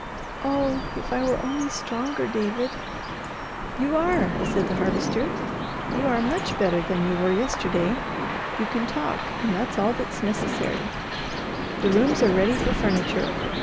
"Oh if I were only stronger, David!" "You are!" said the Harvester. "You are much better than you were yesterday. You can talk, and that's all that's necessary. The rooms are ready for furniture.